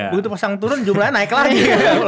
begitu pasang turun jumlahnya naik lagi